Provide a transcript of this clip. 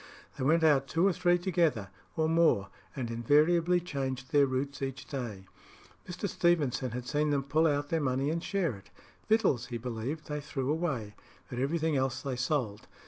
They went out two or three together, or more, and invariably changed their routes each day. Mr. Stevenson had seen them pull out their money and share it. Victuals, he believed, they threw away; but everything else they sold.